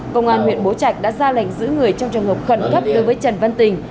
công an huyện bố trạch đã ra lệnh giữ người trong trường hợp khẩn cấp đối với trần văn tình